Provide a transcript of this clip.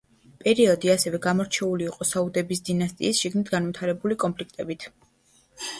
პერიოდი ასევე გამორჩეული იყო საუდების დინასტიის შიგნით განვითარებული კონფლიქტებით.